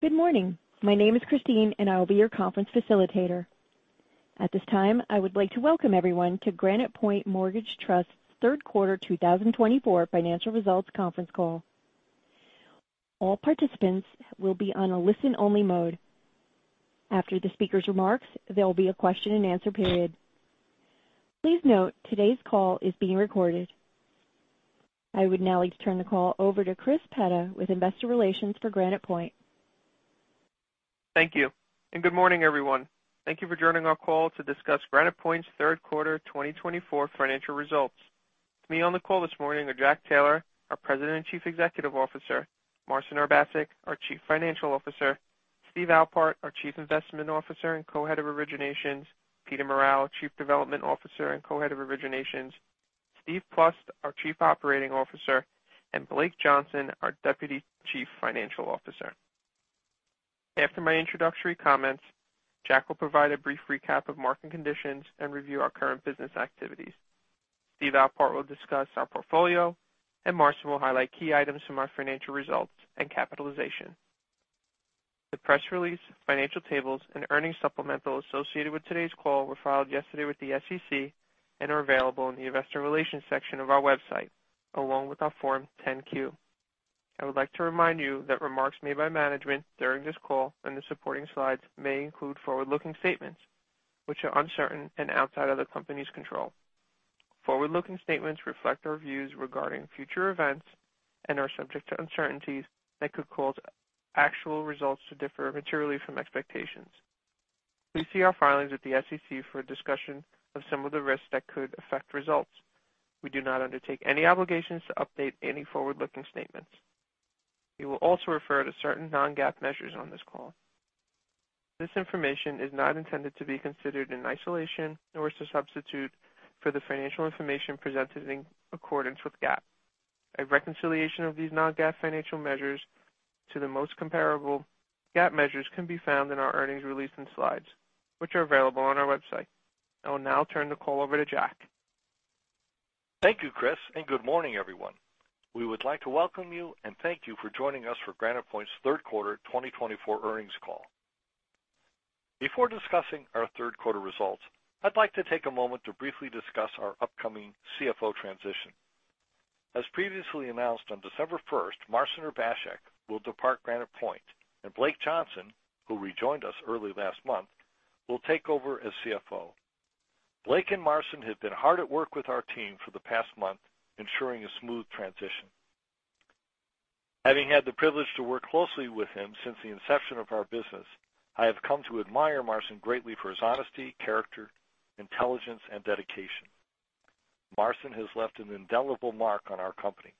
Good morning. My name is Christine, and I will be your conference facilitator. At this time, I would like to welcome everyone to Granite Point Mortgage Trust's Third Quarter 2024 Financial Results Conference Call. All participants will be on a listen-only mode. After the speaker's remarks, there will be a question-and-answer period. Please note today's call is being recorded. I would now like to turn the call over to Chris Petta with Investor Relations for Granite Point. Thank you. And good morning, everyone. Thank you for joining our call to discuss Granite Point's Third Quarter 2024 financial results. With me on the call this morning are Jack Taylor, our President and Chief Executive Officer, Marcin Urbaszek, our Chief Financial Officer, Steve Alpart, our Chief Investment Officer and Co-Head of Originations, Peter Morral, Chief Development Officer and Co-Head of Originations, Steve Plust, our Chief Operating Officer, and Blake Johnson, our Deputy Chief Financial Officer. After my introductory comments, Jack will provide a brief recap of market conditions and review our current business activities. Steve Alpart will discuss our portfolio, and Marcin will highlight key items from our financial results and capitalization. The press release, financial tables, and earnings supplemental associated with today's call were filed yesterday with the SEC and are available in the Investor Relations section of our website, along with our Form 10-Q. I would like to remind you that remarks made by management during this call and the supporting slides may include forward-looking statements, which are uncertain and outside of the company's control. Forward-looking statements reflect our views regarding future events and are subject to uncertainties that could cause actual results to differ materially from expectations. Please see our filings with the SEC for a discussion of some of the risks that could affect results. We do not undertake any obligations to update any forward-looking statements. We will also refer to certain non-GAAP measures on this call. This information is not intended to be considered in isolation nor to substitute for the financial information presented in accordance with GAAP. A reconciliation of these non-GAAP financial measures to the most comparable GAAP measures can be found in our earnings release and slides, which are available on our website. I will now turn the call over to Jack. Thank you, Chris, and good morning, everyone. We would like to welcome you and thank you for joining us for Granite Point's Third Quarter 2024 earnings call. Before discussing our third quarter results, I'd like to take a moment to briefly discuss our upcoming CFO transition. As previously announced, on December 1st, Marcin Urbaszek will depart Granite Point, and Blake Johnson, who rejoined us early last month, will take over as CFO. Blake and Marcin have been hard at work with our team for the past month, ensuring a smooth transition. Having had the privilege to work closely with him since the inception of our business, I have come to admire Marcin greatly for his honesty, character, intelligence, and dedication. Marcin has left an indelible mark on our company,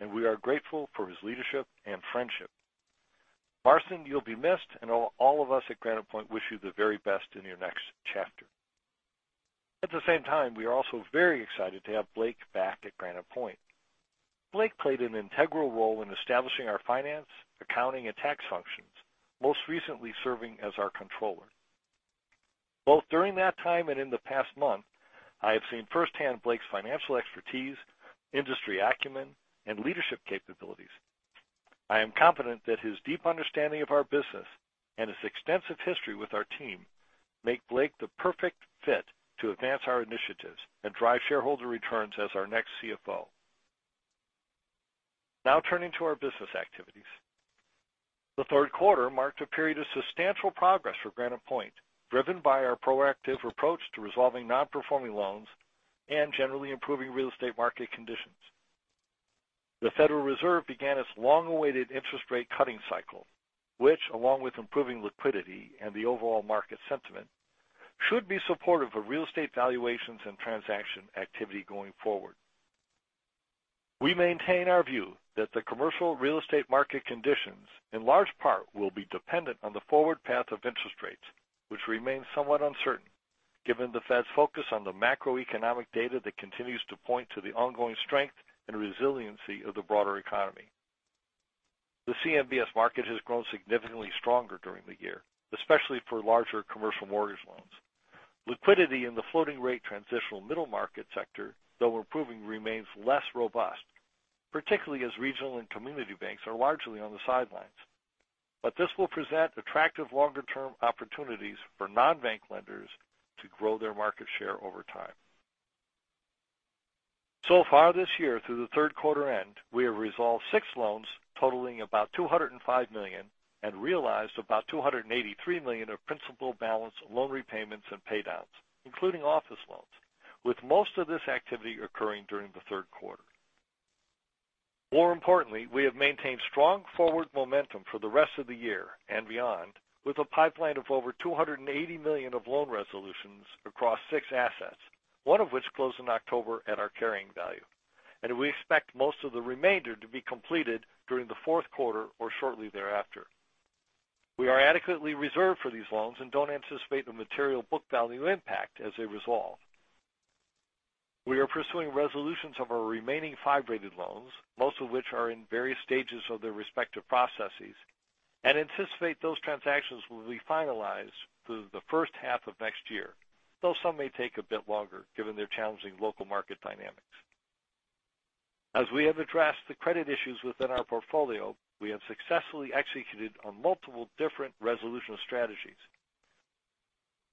and we are grateful for his leadership and friendship. Marcin, you'll be missed, and all of us at Granite Point wish you the very best in your next chapter. At the same time, we are also very excited to have Blake back at Granite Point. Blake played an integral role in establishing our finance, accounting, and tax functions, most recently serving as our controller. Both during that time and in the past month, I have seen firsthand Blake's financial expertise, industry acumen, and leadership capabilities. I am confident that his deep understanding of our business and his extensive history with our team make Blake the perfect fit to advance our initiatives and drive shareholder returns as our next CFO. Now, turning to our business activities, the third quarter marked a period of substantial progress for Granite Point, driven by our proactive approach to resolving non-performing loans and generally improving real estate market conditions. The Federal Reserve began its long-awaited interest rate cutting cycle, which, along with improving liquidity and the overall market sentiment, should be supportive of real estate valuations and transaction activity going forward. We maintain our view that the commercial real estate market conditions, in large part, will be dependent on the forward path of interest rates, which remains somewhat uncertain, given the Fed's focus on the macroeconomic data that continues to point to the ongoing strength and resiliency of the broader economy. The CMBS market has grown significantly stronger during the year, especially for larger commercial mortgage loans. Liquidity in the floating rate transitional middle market sector, though improving, remains less robust, particularly as regional and community banks are largely on the sidelines. But this will present attractive longer-term opportunities for non-bank lenders to grow their market share over time. So far this year, through the third quarter end, we have resolved six loans totaling about $205 million and realized about $283 million of principal balance loan repayments and paydowns, including office loans, with most of this activity occurring during the third quarter. More importantly, we have maintained strong forward momentum for the rest of the year and beyond, with a pipeline of over $280 million of loan resolutions across six assets, one of which closed in October at our carrying value, and we expect most of the remainder to be completed during the fourth quarter or shortly thereafter. We are adequately reserved for these loans and don't anticipate a material book value impact as they resolve. We are pursuing resolutions of our remaining five rated loans, most of which are in various stages of their respective processes, and anticipate those transactions will be finalized through the first half of next year, though some may take a bit longer given their challenging local market dynamics. As we have addressed the credit issues within our portfolio, we have successfully executed on multiple different resolution strategies.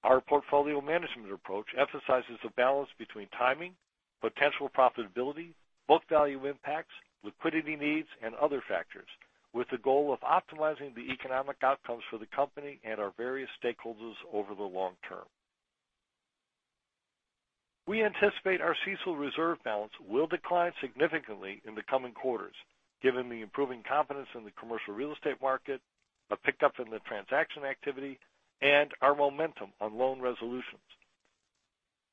Our portfolio management approach emphasizes the balance between timing, potential profitability, book value impacts, liquidity needs, and other factors, with the goal of optimizing the economic outcomes for the company and our various stakeholders over the long term. We anticipate our CECL reserve balance will decline significantly in the coming quarters, given the improving confidence in the commercial real estate market, a pickup in the transaction activity, and our momentum on loan resolutions.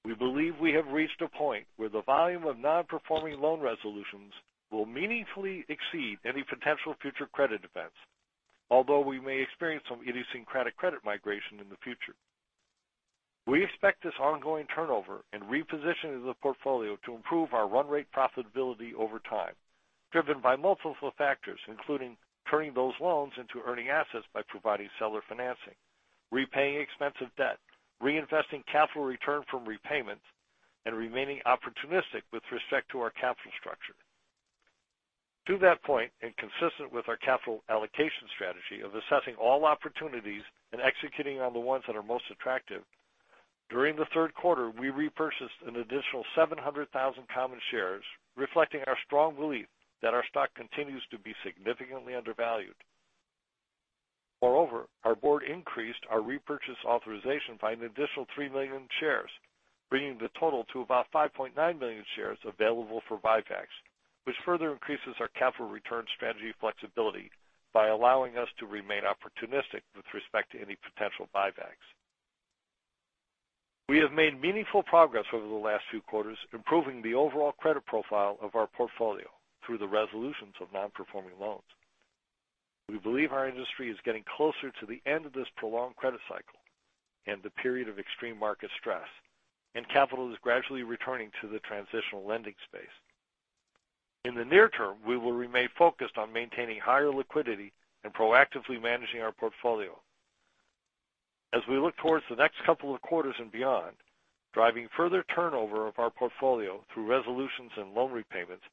We believe we have reached a point where the volume of non-performing loan resolutions will meaningfully exceed any potential future credit events, although we may experience some idiosyncratic credit migration in the future. We expect this ongoing turnover and repositioning of the portfolio to improve our run rate profitability over time, driven by multiple factors, including turning those loans into earning assets by providing seller financing, repaying expensive debt, reinvesting capital return from repayments, and remaining opportunistic with respect to our capital structure. To that point, and consistent with our capital allocation strategy of assessing all opportunities and executing on the ones that are most attractive, during the third quarter, we repurchased an additional 700,000 common shares, reflecting our strong belief that our stock continues to be significantly undervalued. Moreover, our board increased our repurchase authorization by an additional three million shares, bringing the total to about 5.9 million shares available for buybacks, which further increases our capital return strategy flexibility by allowing us to remain opportunistic with respect to any potential buybacks. We have made meaningful progress over the last few quarters, improving the overall credit profile of our portfolio through the resolutions of non-performing loans. We believe our industry is getting closer to the end of this prolonged credit cycle and the period of extreme market stress, and capital is gradually returning to the transitional lending space. In the near term, we will remain focused on maintaining higher liquidity and proactively managing our portfolio. As we look towards the next couple of quarters and beyond, driving further turnover of our portfolio through resolutions and loan repayments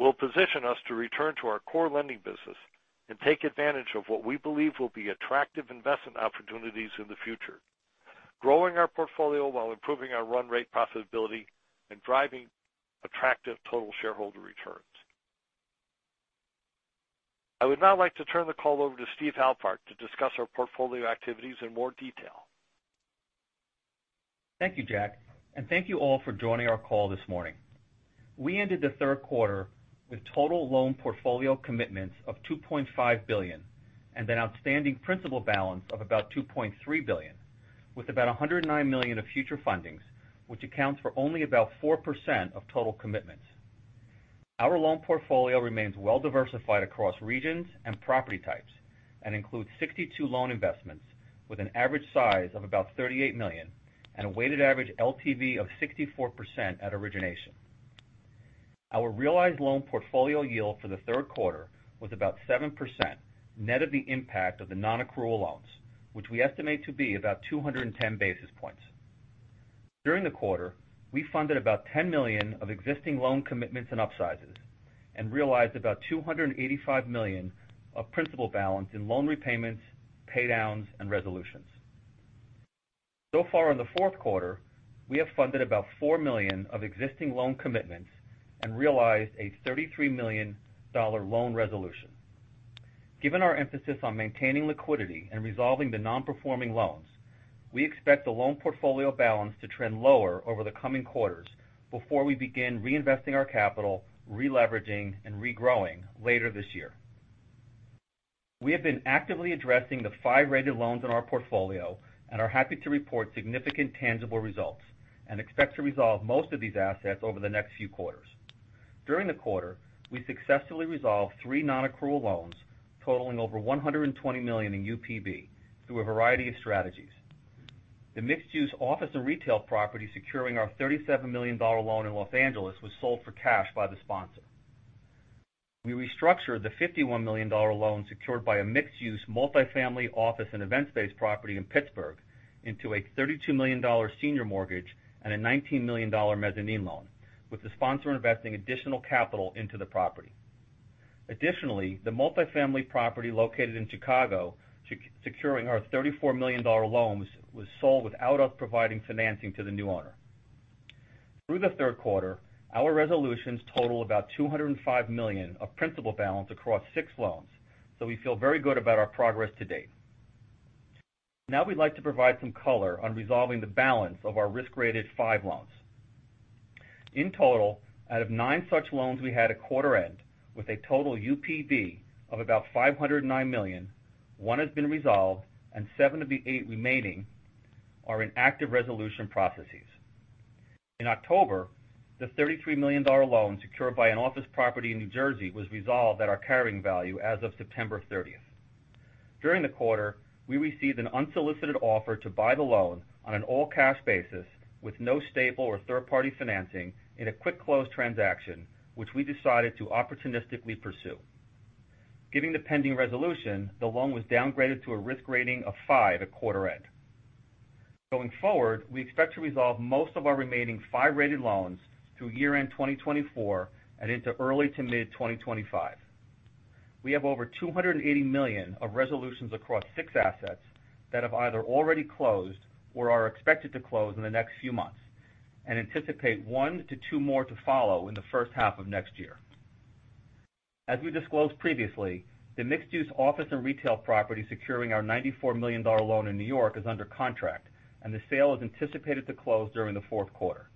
will position us to return to our core lending business and take advantage of what we believe will be attractive investment opportunities in the future, growing our portfolio while improving our run rate profitability and driving attractive total shareholder returns. I would now like to turn the call over to Steve Alpart to discuss our portfolio activities in more detail. Thank you, Jack, and thank you all for joining our call this morning. We ended the third quarter with total loan portfolio commitments of $2.5 billion and an outstanding principal balance of about $2.3 billion, with about $109 million of future fundings, which accounts for only about 4% of total commitments. Our loan portfolio remains well-diversified across regions and property types and includes 62 loan investments with an average size of about $38 million and a weighted average LTV of 64% at origination. Our realized loan portfolio yield for the third quarter was about 7% net of the impact of the non-accrual loans, which we estimate to be about 210 basis points. During the quarter, we funded about $10 million of existing loan commitments and upsizes and realized about $285 million of principal balance in loan repayments, paydowns, and resolutions. So far, in the fourth quarter, we have funded about $4 million of existing loan commitments and realized a $33 million loan resolution. Given our emphasis on maintaining liquidity and resolving the non-performing loans, we expect the loan portfolio balance to trend lower over the coming quarters before we begin reinvesting our capital, re-leveraging, and re-growing later this year. We have been actively addressing the five rated loans in our portfolio and are happy to report significant tangible results and expect to resolve most of these assets over the next few quarters. During the quarter, we successfully resolved three non-accrual loans totaling over $120 million in UPB through a variety of strategies. The mixed-use office and retail property securing our $37 million loan in Los Angeles was sold for cash by the sponsor. We restructured the $51 million loan secured by a mixed-use multi-family office and events-based property in Pittsburgh into a $32 million senior mortgage and a $19 million mezzanine loan, with the sponsor investing additional capital into the property. Additionally, the multi-family property located in Chicago securing our $34 million loans was sold without us providing financing to the new owner. Through the third quarter, our resolutions total about $205 million of principal balance across six loans, so we feel very good about our progress to date. Now, we'd like to provide some color on resolving the balance of our risk-rated five loans. In total, out of nine such loans we had at quarter end, with a total UPB of about $509 million, one has been resolved, and seven of the eight remaining are in active resolution processes. In October, the $33 million loan secured by an office property in New Jersey was resolved at our carrying value as of September 30th. During the quarter, we received an unsolicited offer to buy the loan on an all-cash basis with no stable or third-party financing in a quick-close transaction, which we decided to opportunistically pursue. Given the pending resolution, the loan was downgraded to a risk rating of five at quarter end. Going forward, we expect to resolve most of our remaining five rated loans through year-end 2024 and into early to mid-2025. We have over $280 million of resolutions across six assets that have either already closed or are expected to close in the next few months and anticipate one to two more to follow in the first half of next year. As we disclosed previously, the mixed-use office and retail property securing our $94 million loan in New York is under contract, and the sale is anticipated to close during the fourth quarter.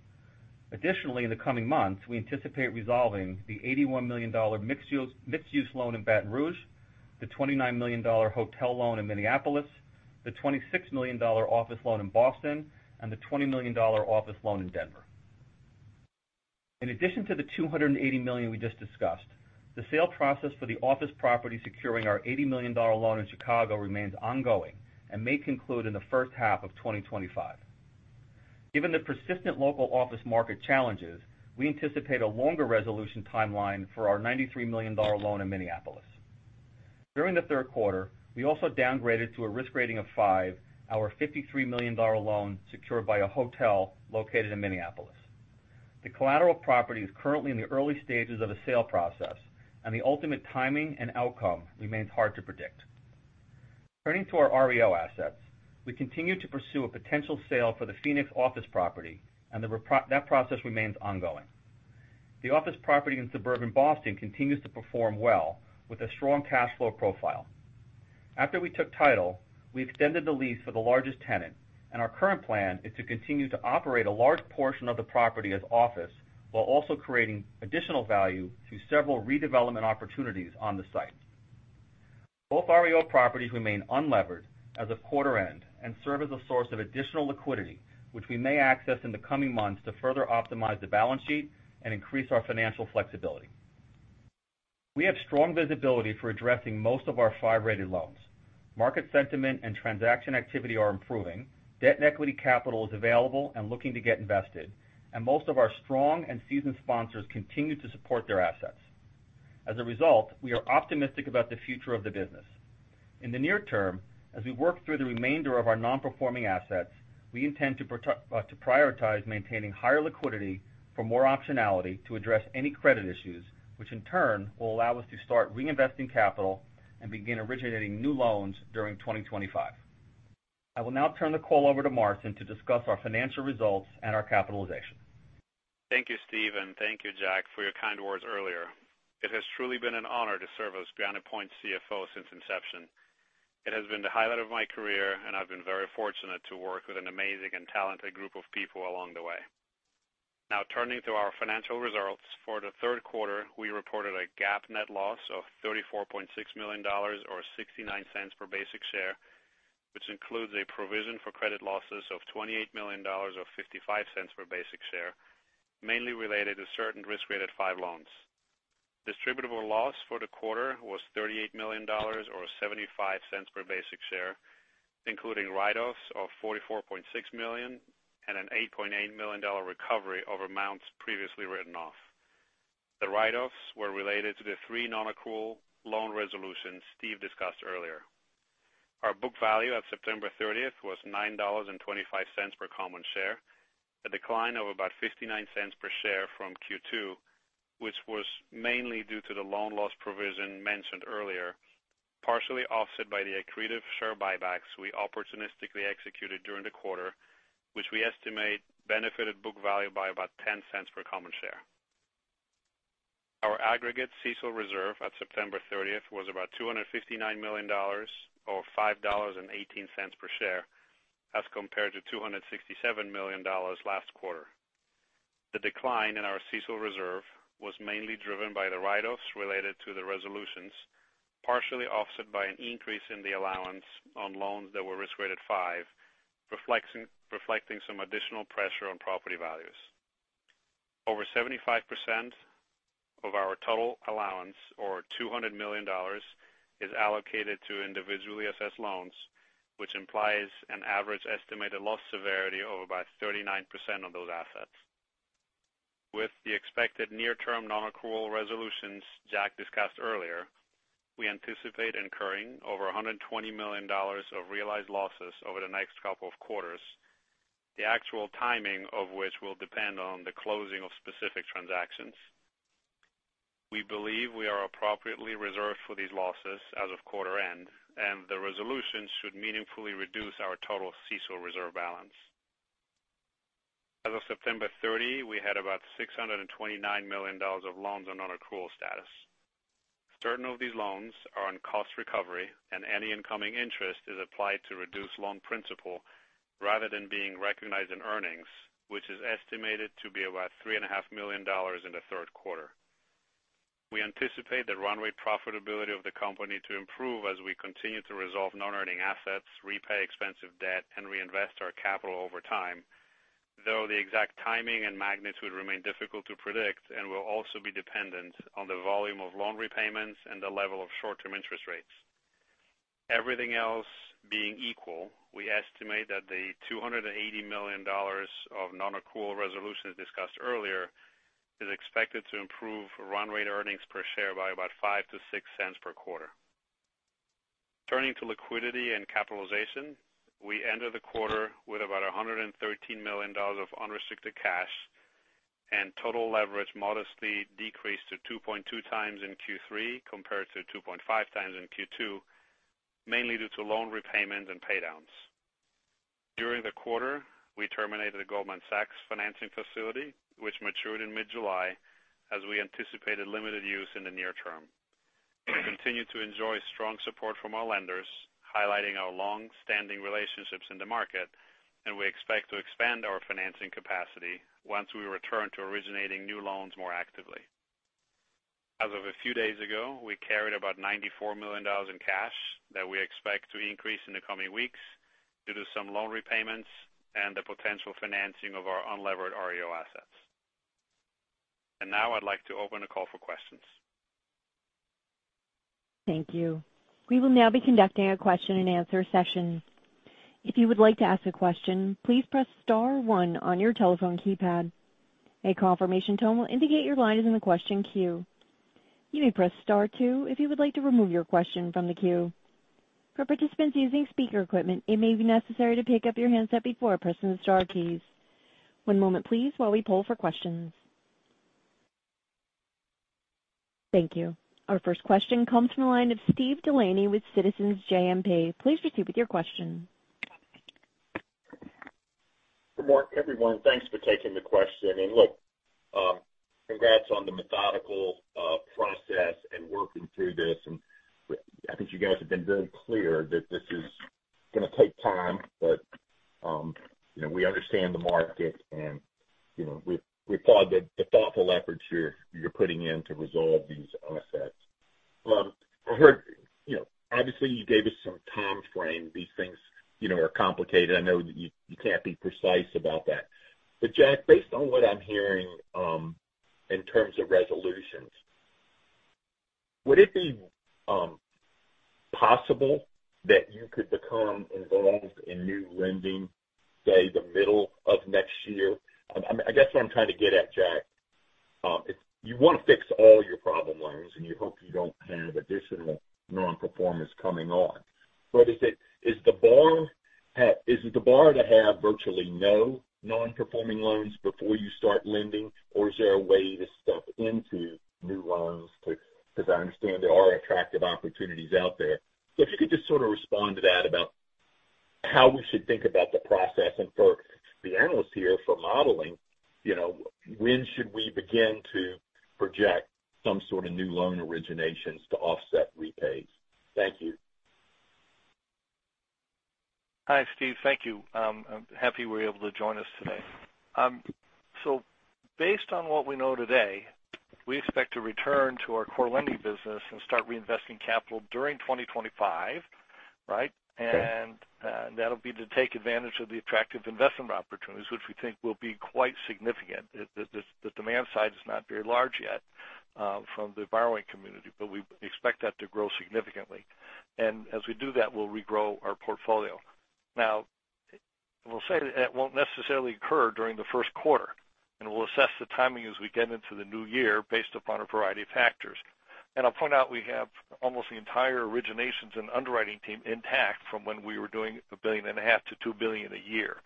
Additionally, in the coming months, we anticipate resolving the $81 million mixed-use loan in Baton Rouge, the $29 million hotel loan in Minneapolis, the $26 million office loan in Boston, and the $20 million office loan in Denver. In addition to the $280 million we just discussed, the sale process for the office property securing our $80 million loan in Chicago remains ongoing and may conclude in the first half of 2025. Given the persistent local office market challenges, we anticipate a longer resolution timeline for our $93 million loan in Minneapolis. During the third quarter, we also downgraded to a risk rating of five our $53 million loan secured by a hotel located in Minneapolis. The collateral property is currently in the early stages of a sale process, and the ultimate timing and outcome remains hard to predict. Turning to our REO assets, we continue to pursue a potential sale for the Phoenix office property, and that process remains ongoing. The office property in suburban Boston continues to perform well with a strong cash flow profile. After we took title, we extended the lease for the largest tenant, and our current plan is to continue to operate a large portion of the property as office while also creating additional value through several redevelopment opportunities on the site. Both REO properties remain unlevered as of quarter end and serve as a source of additional liquidity, which we may access in the coming months to further optimize the balance sheet and increase our financial flexibility. We have strong visibility for addressing most of our five rated loans. Market sentiment and transaction activity are improving, debt and equity capital is available and looking to get invested, and most of our strong and seasoned sponsors continue to support their assets. As a result, we are optimistic about the future of the business. In the near term, as we work through the remainder of our non-performing assets, we intend to prioritize maintaining higher liquidity for more optionality to address any credit issues, which in turn will allow us to start reinvesting capital and begin originating new loans during 2025. I will now turn the call over to Marcin to discuss our financial results and our capitalization. Thank you, Steve, and thank you, Jack, for your kind words earlier. It has truly been an honor to serve as Granite Point CFO since inception. It has been the highlight of my career, and I've been very fortunate to work with an amazing and talented group of people along the way. Now, turning to our financial results, for the third quarter, we reported a GAAP net loss of $34.6 million or $0.69 per basic share, which includes a provision for credit losses of $28 million or $0.55 per basic share, mainly related to certain risk-rated five loans. Distributable loss for the quarter was $38 million or $0.75 per basic share, including write-offs of $44.6 million and an $8.8 million recovery over amounts previously written off. The write-offs were related to the three non-accrual loan resolutions Steve discussed earlier. Our book value at September 30th was $9.25 per common share, a decline of about $0.59 per share from Q2, which was mainly due to the loan loss provision mentioned earlier, partially offset by the accretive share buybacks we opportunistically executed during the quarter, which we estimate benefited book value by about $0.10 per common share. Our aggregate CECL reserve at September 30th was about $259 million or $5.18 per share as compared to $267 million last quarter. The decline in our CECL reserve was mainly driven by the write-offs related to the resolutions, partially offset by an increase in the allowance on loans that were risk-rated five, reflecting some additional pressure on property values. Over 75% of our total allowance, or $200 million, is allocated to individually assessed loans, which implies an average estimated loss severity of about 39% on those assets. With the expected near-term non-accrual resolutions Jack discussed earlier, we anticipate incurring over $120 million of realized losses over the next couple of quarters, the actual timing of which will depend on the closing of specific transactions. We believe we are appropriately reserved for these losses as of quarter end, and the resolutions should meaningfully reduce our total CECL reserve balance. As of September 30, we had about $629 million of loans on non-accrual status. Certain of these loans are on cost recovery, and any incoming interest is applied to reduce loan principal rather than being recognized in earnings, which is estimated to be about $3.5 million in the third quarter. We anticipate the run rate profitability of the company to improve as we continue to resolve non-earning assets, repay expensive debt, and reinvest our capital over time, though the exact timing and magnitude remain difficult to predict and will also be dependent on the volume of loan repayments and the level of short-term interest rates. Everything else being equal, we estimate that the $280 million of non-accrual resolutions discussed earlier is expected to improve run rate earnings per share by about $0.05-$0.06 per quarter. Turning to liquidity and capitalization, we ended the quarter with about $113 million of unrestricted cash and total leverage modestly decreased to 2.2 times in Q3 compared to 2.5 times in Q2, mainly due to loan repayments and paydowns. During the quarter, we terminated the Goldman Sachs Financing Facility, which matured in mid-July as we anticipated limited use in the near term. We continue to enjoy strong support from our lenders, highlighting our long-standing relationships in the market, and we expect to expand our financing capacity once we return to originating new loans more actively. As of a few days ago, we carried about $94 million in cash that we expect to increase in the coming weeks due to some loan repayments and the potential financing of our unlevered REO assets, and now I'd like to open the call for questions. Thank you. We will now be conducting a question and answer session. If you would like to ask a question, please press star one on your telephone keypad. A confirmation tone will indicate your line is in the question queue. You may press star two if you would like to remove your question from the queue. For participants using speaker equipment, it may be necessary to pick up your handset before pressing the star keys. One moment, please, while we poll for questions. Thank you. Our first question comes from the line of Steve Delaney with Citizens JMP. Please proceed with your question. Good morning, everyone. Thanks for taking the question, and look, congrats on the methodical process and working through this, and I think you guys have been very clear that this is going to take time, but we understand the market, and we applaud the thoughtful efforts you're putting in to resolve these assets. I heard, obviously, you gave us some time frame. These things are complicated. I know that you can't be precise about that, but Jack, based on what I'm hearing in terms of resolutions, would it be possible that you could become involved in new lending, say, the middle of next year? I guess what I'm trying to get at, Jack, you want to fix all your problem loans, and you hope you don't have additional non-performance coming on. But is the bar to have virtually no non-performing loans before you start lending, or is there a way to step into new loans? Because I understand there are attractive opportunities out there. So if you could just sort of respond to that about how we should think about the process and for the analysts here for modeling, when should we begin to project some sort of new loan originations to offset repays? Thank you. Hi, Steve. Thank you. I'm happy you were able to join us today. Based on what we know today, we expect to return to our core lending business and start reinvesting capital during 2025, right? That'll be to take advantage of the attractive investment opportunities, which we think will be quite significant. The demand side is not very large yet from the borrowing community, but we expect that to grow significantly. As we do that, we'll regrow our portfolio. We'll say that won't necessarily occur during the first quarter, and we'll assess the timing as we get into the new year based upon a variety of factors. I'll point out we have almost the entire originations and underwriting team intact from when we were doing 1.5 billion-2 billion a year.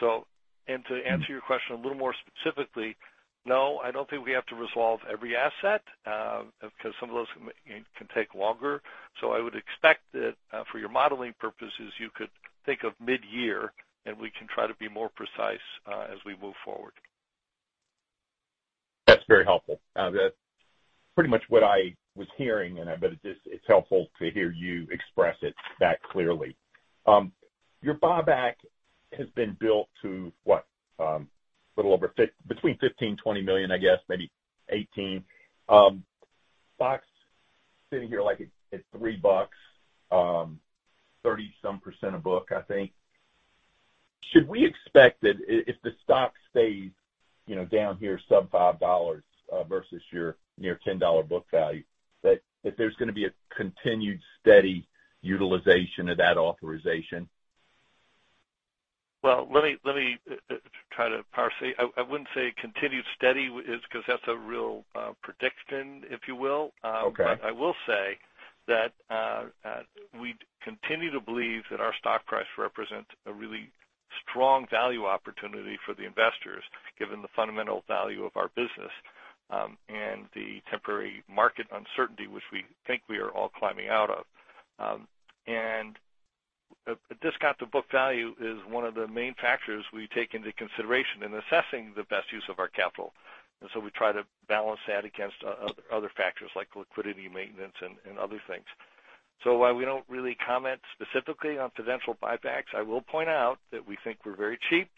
So to answer your question a little more specifically, no, I don't think we have to resolve every asset because some of those can take longer. So I would expect that for your modeling purposes, you could think of mid-year, and we can try to be more precise as we move forward. That's very helpful. That's pretty much what I was hearing, and I bet it's helpful to hear you express it that clearly. Your buyback has been built to, what, a little over between $15 million and $20 million, I guess, maybe 18. Stock sitting here at $3, 30-some% of book, I think. Should we expect that if the stock stays down here sub $5 versus your near $10 book value, that there's going to be a continued steady utilization of that authorization? Let me try to parse. I wouldn't say continued steady because that's a real prediction, if you will. I will say that we continue to believe that our stock price represents a really strong value opportunity for the investors, given the fundamental value of our business and the temporary market uncertainty, which we think we are all climbing out of. A discount to book value is one of the main factors we take into consideration in assessing the best use of our capital. We try to balance that against other factors like liquidity, maintenance, and other things. While we don't really comment specifically on financial buybacks, I will point out that we think we're very cheap.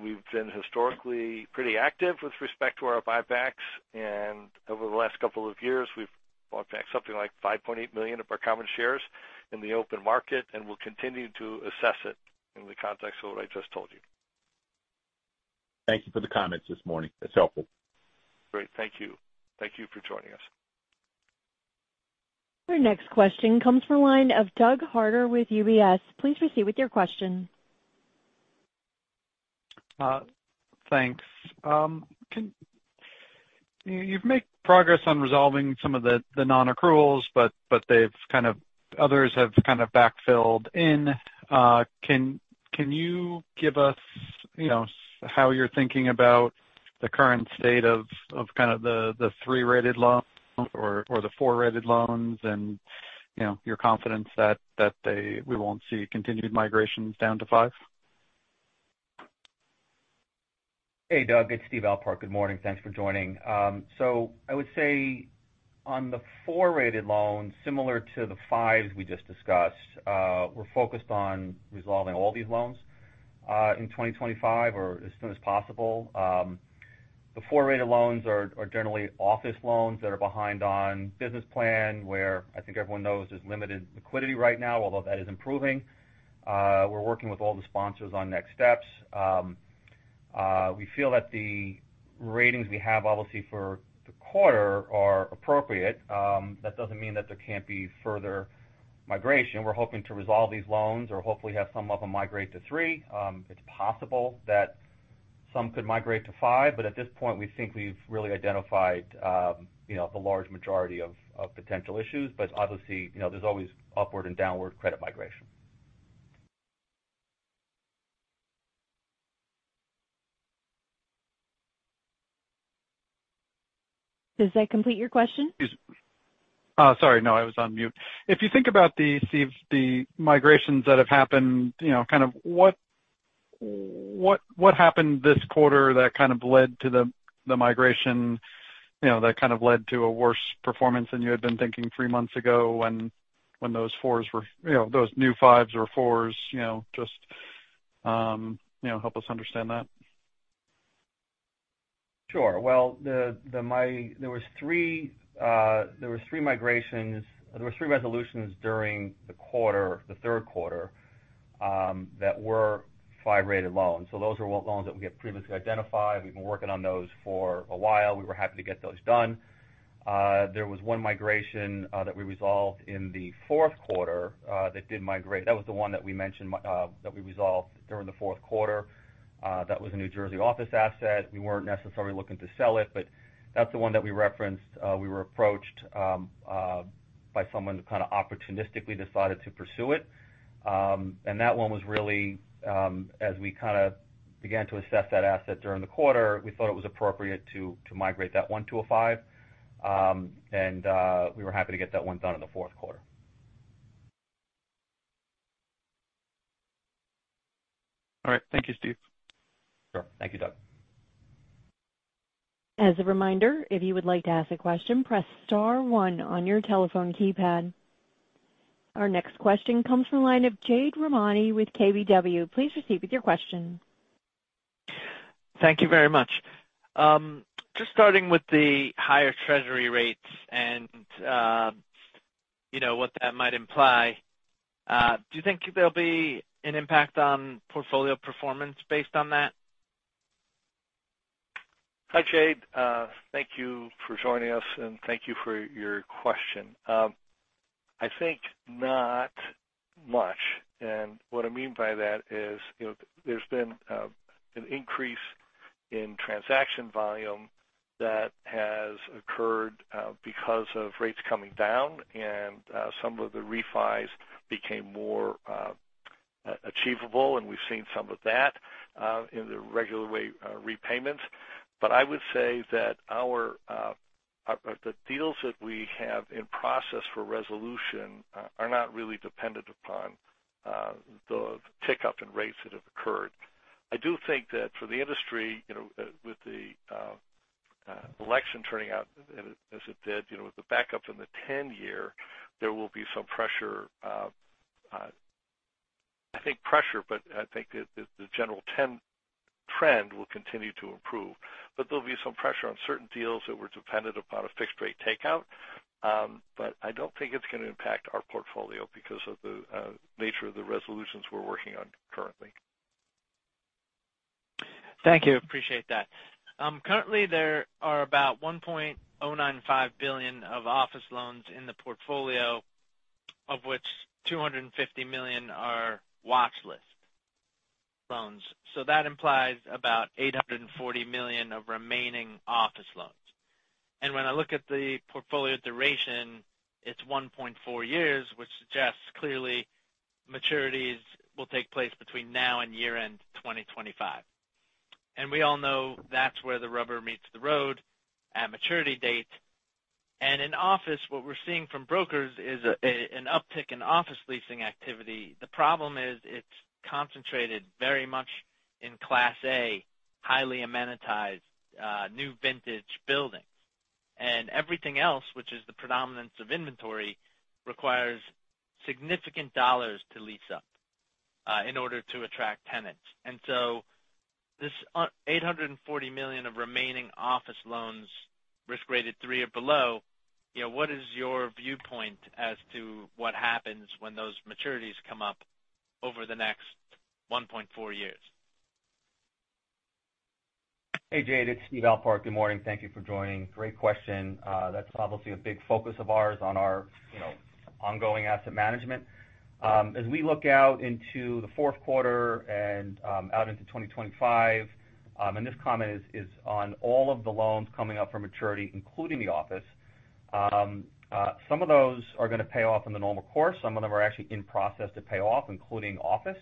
We've been historically pretty active with respect to our buybacks, and over the last couple of years, we've bought back something like 5.8 million of our common shares in the open market, and we'll continue to assess it in the context of what I just told you. Thank you for the comments this morning. That's helpful. Great. Thank you. Thank you for joining us. Our next question comes from the line of Douglas Harter with UBS. Please proceed with your question. Thanks. You've made progress on resolving some of the non-accruals, but others have kind of backfilled in. Can you give us how you're thinking about the current state of kind of the three-rated loan or the four-rated loans and your confidence that we won't see continued migrations down to five? Hey, Doug. It's Steve Alpart. Good morning. Thanks for joining. So I would say on the four-rated loans, similar to the fives we just discussed, we're focused on resolving all these loans in 2025 or as soon as possible. The four-rated loans are generally office loans that are behind on business plan, where I think everyone knows there's limited liquidity right now, although that is improving. We're working with all the sponsors on next steps. We feel that the ratings we have obviously for the quarter are appropriate. That doesn't mean that there can't be further migration. We're hoping to resolve these loans or hopefully have some of them migrate to three. It's possible that some could migrate to five, but at this point, we think we've really identified the large majority of potential issues. But obviously, there's always upward and downward credit migration. Does that complete your question? Sorry. No, I was on mute. If you think about the migrations that have happened, kind of what happened this quarter that kind of led to the migration that kind of led to a worse performance than you had been thinking three months ago when those new fives or fours just help us understand that? Sure. Well, there were three migrations. There were three resolutions during the third quarter that were five-rated loans. So those are loans that we have previously identified. We've been working on those for a while. We were happy to get those done. There was one migration that we resolved in the fourth quarter that did migrate. That was the one that we mentioned that we resolved during the fourth quarter. That was a New Jersey office asset. We weren't necessarily looking to sell it, but that's the one that we referenced. We were approached by someone who kind of opportunistically decided to pursue it. And that one was really, as we kind of began to assess that asset during the quarter, we thought it was appropriate to migrate that one to a five. And we were happy to get that one done in the fourth quarter. All right. Thank you, Steve. Sure. Thank you, Doug. As a reminder, if you would like to ask a question, press star one on your telephone keypad. Our next question comes from the line of Jade Rahmani with KBW. Please proceed with your question. Thank you very much. Just starting with the higher treasury rates and what that might imply, do you think there'll be an impact on portfolio performance based on that? Hi, Jade. Thank you for joining us, and thank you for your question. I think not much, and what I mean by that is there's been an increase in transaction volume that has occurred because of rates coming down, and some of the refis became more achievable, and we've seen some of that in the regular way repayments, but I would say that the deals that we have in process for resolution are not really dependent upon the tick up in rates that have occurred. I do think that for the industry, with the election turning out as it did, with the backup in the 10-year, there will be some pressure. I think pressure, but I think that the general trend will continue to improve, but there'll be some pressure on certain deals that were dependent upon a fixed-rate takeout. But I don't think it's going to impact our portfolio because of the nature of the resolutions we're working on currently. Thank you. Appreciate that. Currently, there are about $1.095 billion of office loans in the portfolio, of which $250 million are watchlist loans. So that implies about $840 million of remaining office loans, and when I look at the portfolio duration, it's 1.4 years, which suggests clearly maturities will take place between now and year-end 2025, and we all know that's where the rubber meets the road at maturity date, and in office, what we're seeing from brokers is an uptick in office leasing activity. The problem is it's concentrated very much in Class A, highly amenitized new vintage buildings, and everything else, which is the predominance of inventory, requires significant dollars to lease up in order to attract tenants. And so, this $840 million of remaining office loans, risk-rated three or below, what is your viewpoint as to what happens when those maturities come up over the next 1.4 years? Hey, Jade. It's Steve Alpart. Good morning. Thank you for joining. Great question. That's obviously a big focus of ours on our ongoing asset management. As we look out into the fourth quarter and out into 2025, and this comment is on all of the loans coming up for maturity, including the office, some of those are going to pay off in the normal course. Some of them are actually in process to pay off, including office,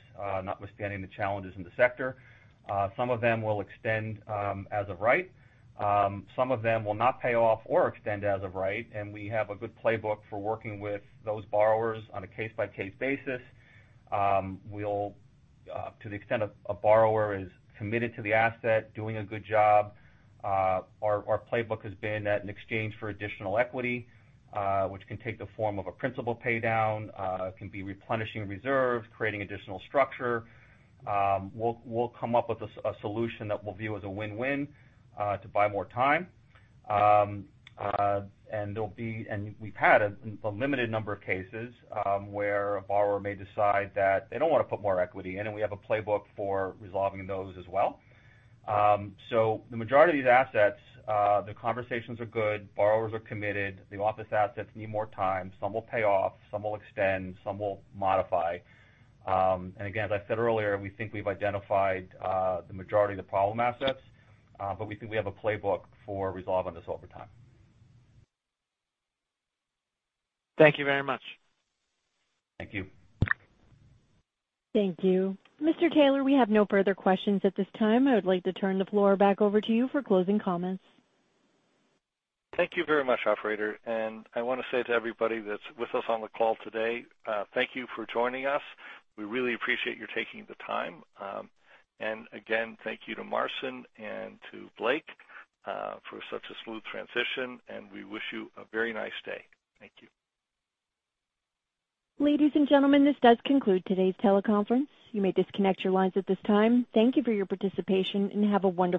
notwithstanding the challenges in the sector. Some of them will extend as of right. Some of them will not pay off or extend as of right. And we have a good playbook for working with those borrowers on a case-by-case basis. To the extent a borrower is committed to the asset, doing a good job, our playbook has been that in exchange for additional equity, which can take the form of a principal paydown, can be replenishing reserves, creating additional structure. We'll come up with a solution that we'll view as a win-win to buy more time. And we've had a limited number of cases where a borrower may decide that they don't want to put more equity in, and we have a playbook for resolving those as well. So the majority of these assets, the conversations are good. Borrowers are committed. The office assets need more time. Some will pay off. Some will extend. Some will modify. And again, as I said earlier, we think we've identified the majority of the problem assets, but we think we have a playbook for resolving this over time. Thank you very much. Thank you. Thank you. Mr. Taylor, we have no further questions at this time. I would like to turn the floor back over to you for closing comments. Thank you very much, Alfredo. And I want to say to everybody that's with us on the call today, thank you for joining us. We really appreciate your taking the time. And again, thank you to Marcin and to Blake for such a smooth transition, and we wish you a very nice day. Thank you. Ladies and gentlemen, this does conclude today's teleconference. You may disconnect your lines at this time. Thank you for your participation and have a wonderful day.